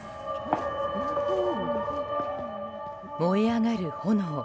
燃え上がる炎。